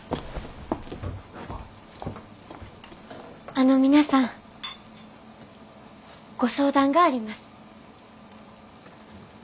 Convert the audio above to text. あの皆さんご相談があります。